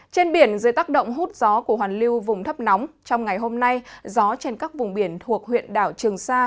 trên biển dưới tác động hút gió của hoàn lưu vùng thấp nóng trong ngày hôm nay gió trên các vùng biển thuộc huyện đảo trường sa